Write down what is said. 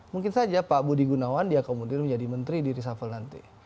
mungkin saja pak budi gunawan dia kemudian menjadi menteri di risafel nanti